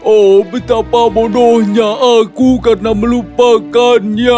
oh betapa bodohnya aku karena melupakannya